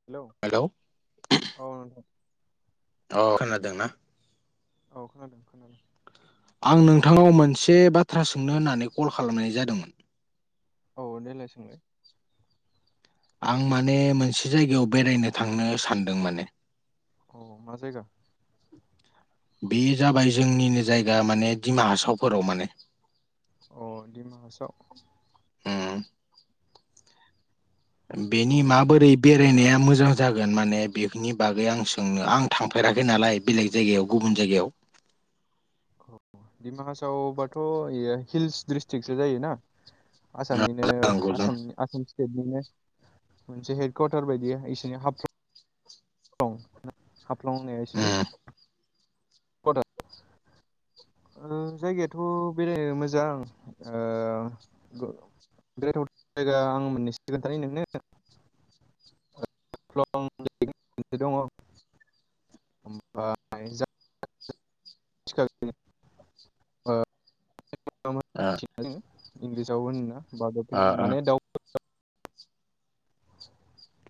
हेल'। Hello औ नोंथां अ खोनादोंना औ खोनादों खोनादों आं नोंथांव मोनसे बाथ्रा सोंनो होननानै कल खालामनाय जादोंमोन औ देलाय सोंलाय आं माने मोनसे जायगायाव बेरायनो थांनो सानदों माने अ मा जायगा बे जाबाय जोंनिनो जायगा माने दिमा हासावफोराव माने अ दिमाहाव उम बेनि अ माबोरै बे फरायनाया मोजां जागोन माने बेनि बागै आं सोंनो आं थांफेराखै नालाय बेलेग जायगायाव गुबुन जायगायाव औ डिमाहासावबाथ' हिल्स दिडिस्ट्रिक्सो जायोना आसामनिनो जानांगौ जों आसामनि स्टेटनिनो मोनसे हेड कवारटार बायदि इसनि हाब हाब्लंयसनि ओ जायगायाथ' बेरायनो मोजां ओ। बिराद जायगा आं मोननैसि खोन्थानि नोंनो [inaudible] दङ। होमबा। [inaudible] ओ। इंलिसाव होना अ ब माने दाउ।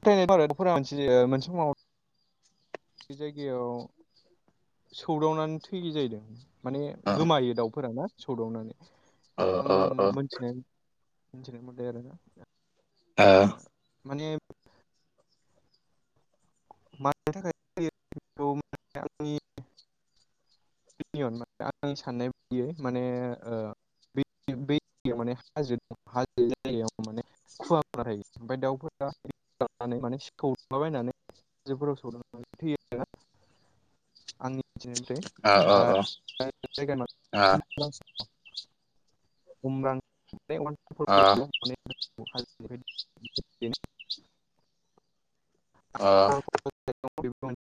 [inaudible] मोनसे समाव। बे जायगायाव सौदावनानै थैलि जाहदों माने अ गोमायो दाउफोराना सौदावनानै अ अ आं मोनथिनाय मिथिनाय मदै आरोना माने मानिनि थाखाय। आंनि। आं साननाय बायदियै माने ओ। बे माने हाजो दं हाजो जायगायाव माने खुव थायो। ओमफ्राय दाउफोरानानै माने सिखावलाबायनानै। हफोराव सौदों थैयो आरोना आंनि बिनिफ्राय। ओमफ्राय अ जायगा। अ हुमब्रां [inaudible] औ। अ [inaudible]